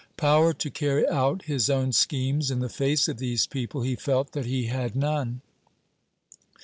Power to carry out his own schemes in the face of these people he felt that he had none.